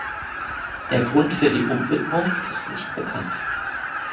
Der Grund für die Umwidmung ist nicht bekannt.